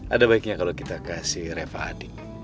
ada baiknya kalo kita kasih reva adik